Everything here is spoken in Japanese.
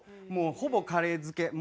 もうほぼカレー漬け。